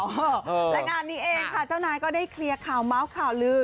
และงานนี้เองค่ะเจ้านายก็ได้เคลียร์ข่าวเมาส์ข่าวลือ